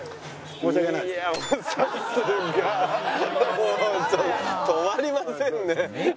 もうちょっと止まりませんね。